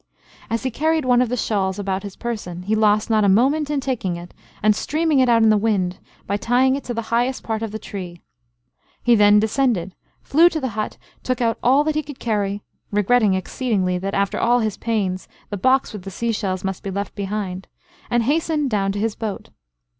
As he carried one of the shawls about his person, he lost not a moment in taking it, and streaming it out in the wind, by tying it to the highest part of the tree. He then descended, flew to the hut, took out all that he could carry, regretting exceedingly, that after all his pains, the box with the sea shells must be left behind, and hastened down to his boat.